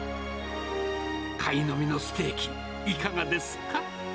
カイノミのステーキ、いかがですか？